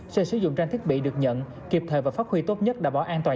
sẽ sử dụng trang thiết bị được nhận kịp thời và phát huy tốt nhất đảm bảo an toàn